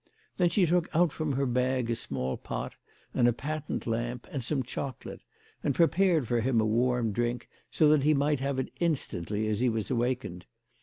Then she took out from her bag a small pot, and a patent lamp, and some chocolate, and prepared for him a warm drink, so that he might have it instantly as he was awakened.